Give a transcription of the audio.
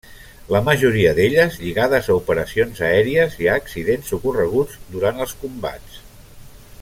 La majoria d'elles lligades a operacions aèries i a accidents ocorreguts durant els combats.